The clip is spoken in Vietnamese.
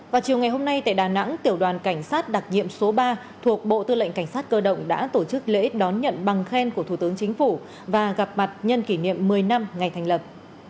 vào chiều ngày hôm nay tại đà nẵng tiểu đoàn cảnh sát đặc nhiệm số ba thuộc bộ tư lệnh cảnh sát cơ động đã tổ chức lễ đón nhận bằng khen của thủ tướng chính phủ và gặp mặt nhân kỷ niệm một mươi năm ngày thành lập